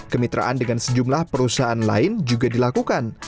kemitraan dengan sejumlah perusahaan lain juga dilakukan